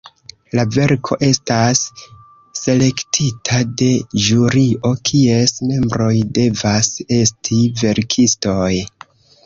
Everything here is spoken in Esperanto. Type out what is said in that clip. La verko estas selektita de ĵurio, kies membroj devas esti verkistoj.